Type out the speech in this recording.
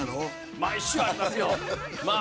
毎週ありますよまあ